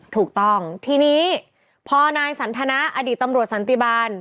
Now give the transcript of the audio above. ถูกต้องทีนี้พอนายสันทนาอดีตตำรวจสันติบาล